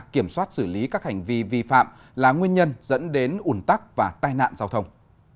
kiểm soát xử lý các hành vi vi phạm là nguyên nhân dẫn đến ủn tắc và tai nạn giao thông